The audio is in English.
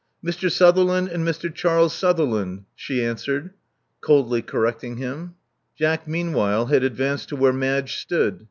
'*Mr. Sutherland and Mr. Charles Sutherland," she answered, coldly correcting him. Jack meanwhile had advanced to where Madge stood.